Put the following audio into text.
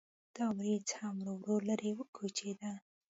دا وریځ هم ورو ورو لرې وکوچېده.